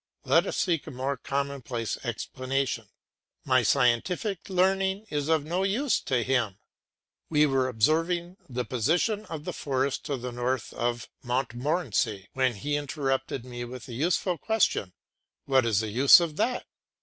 Let us seek a more commonplace explanation; my scientific learning is of no use to him. We were observing the position of the forest to the north of Montmorency when he interrupted me with the usual question, "What is the use of that?"